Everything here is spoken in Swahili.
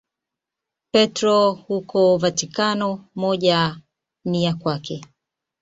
Petro huko Vatikano, moja ni ya kwake.